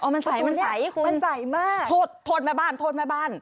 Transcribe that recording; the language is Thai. มันใสคุณมันใสมากโทษมาบ้าน